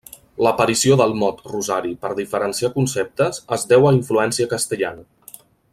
L'aparició del mot 'rosari' per diferenciar conceptes és deu a influència castellana.